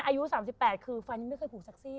อายุ๓๘คือฟันยังไม่เคยผูกเซ็กซี่